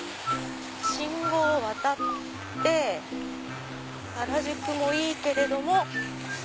信号を渡って原宿もいいけれども。